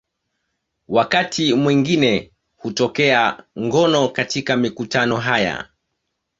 Wakati mwingine hutokea ngono katika mikutano haya.